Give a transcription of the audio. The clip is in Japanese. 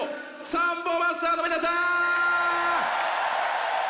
サンボマスターの皆さん！